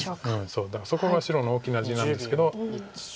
だからそこが白の大きな地なんですけど。